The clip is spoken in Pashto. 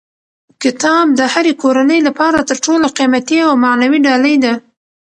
کتاب د هرې کورنۍ لپاره تر ټولو قیمتي او معنوي ډالۍ ده.